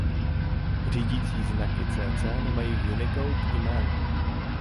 Řídicí znaky Cc nemají v Unicode jméno.